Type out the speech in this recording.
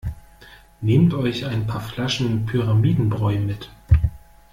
Nehmt euch ein paar Flaschen Pyramidenbräu mit!